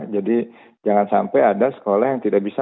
jadi jangan sampai ada sekolah yang tidak bisa